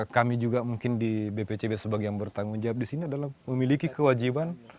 kami juga mungkin di bpcb sebagai yang bertanggung jawab di sini adalah memiliki kewajiban